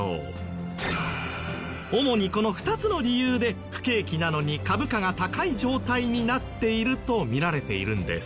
主にこの２つの理由で不景気なのに株価が高い状態になっていると見られているんです。